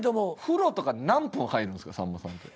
風呂とか何分入るんですかさんまさんって。